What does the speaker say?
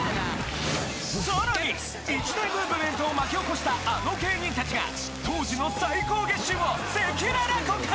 さらに一大ムーブメントを巻き起こしたあの芸人たちが当時の最高月収を赤裸々告白！